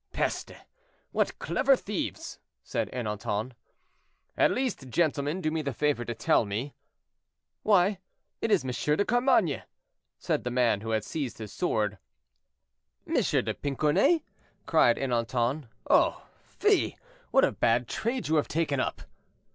"Peste! what clever thieves!" said Ernanton. "At least, gentlemen, do me the favor to tell me—" "Why it is M. de Carmainges!" said the man who had seized his sword. "M. de Pincornay!" cried Ernanton. "Oh, fie; what a bad trade you have taken up."